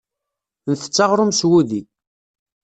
Ntett aɣṛum s wudi.